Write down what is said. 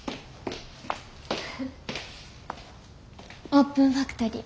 オープンファクトリー